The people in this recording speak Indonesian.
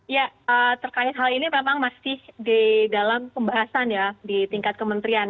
ya terkait hal ini memang masih di dalam pembahasan ya di tingkat kementerian